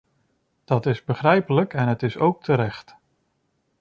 Dat is begrijpelijk en het is ook terecht.